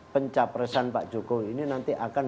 pencapresan pak jokowi ini nanti akan